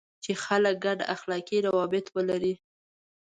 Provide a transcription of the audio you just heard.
چې خلک ګډ اخلاقي روابط ولري.